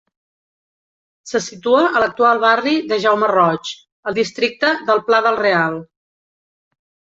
Se situa a l'actual barri de Jaume Roig, al districte del Pla del Real.